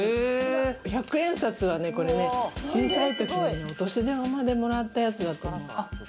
１００円札はね、小さいときにお年玉でもらったやつだと思う。